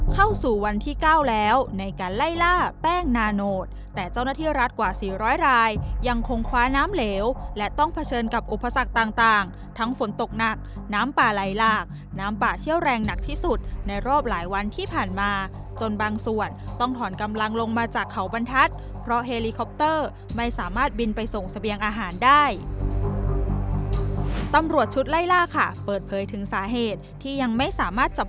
เข้าสู่วันที่เก้าแล้วในการไล่ล่าแป้งนาโนสแต่เจ้าหน้าที่รัฐกว่าสี่ร้อยรายยังคงคว้าน้ำเหลวและต้องเผชิญกับอุปสรรคต่างต่างทั้งฝนตกหนักน้ำป่าไล่ลากน้ำป่าเชี่ยวแรงหนักที่สุดในรอบหลายวันที่ผ่านมาจนบางส่วนต้องถอนกำลังลงมาจากเขาบรรทัศน์เพราะเฮลิคอปเตอร์ไม่สามารถบ